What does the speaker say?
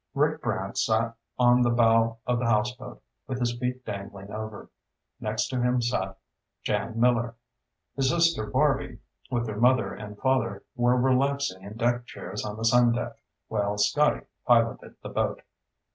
Rick Brant sat on the bow of the houseboat, with his feet dangling over. Next to him sat Jan Miller. His sister Barby, with their mother and father, were relaxing in deck chairs on the sun deck, while Scotty piloted the boat.